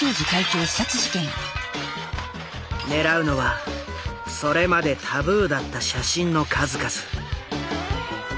狙うのはそれまでタブーだった写真の数々。